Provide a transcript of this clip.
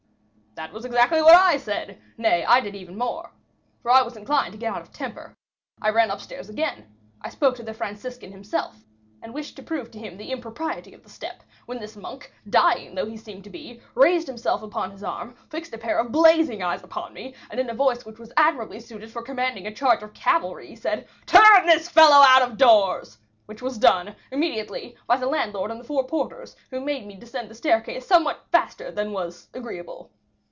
"That was exactly what I said; nay, I did even more, for I was inclined to get out of temper. I went up stairs again. I spoke to the Franciscan himself, and wished to prove to him the impropriety of the step; when this monk, dying though he seemed to be, raised himself upon his arm, fixed a pair of blazing eyes upon me, and, in a voice which was admirably suited for commanding a charge of cavalry, said, 'Turn this fellow out of doors;' which was done, immediately by the landlord and the four porters, who made me descend the staircase somewhat faster than was agreeable.